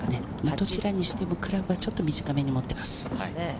どちらにしても、クラブはちょっと短めに持ってます。